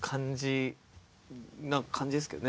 な感じですけどね